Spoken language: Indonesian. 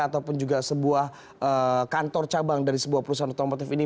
ataupun juga sebuah kantor cabang dari sebuah perusahaan otomotif ini